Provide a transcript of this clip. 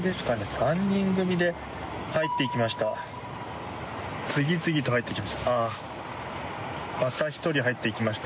３人組で入っていきました。